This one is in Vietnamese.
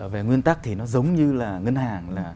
về nguyên tắc thì nó giống như là ngân hàng là